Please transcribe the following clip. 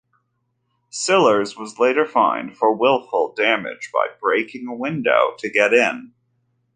Sillars was later fined for wilful damage by breaking a window to get in.